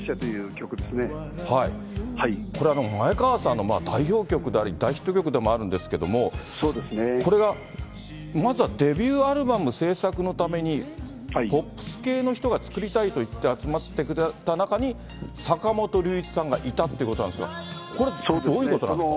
これ、前川さんの代表曲であり、大ヒット曲でもあるんですけど、これがまずはデビューアルバム制作のために、ポップス系の人が作りたいといって集まってくれた中に、坂本龍一さんがいたってことなんですが、これ、どういうことなんですか。